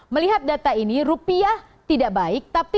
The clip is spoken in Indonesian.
melihat data ini rupiah tidak baik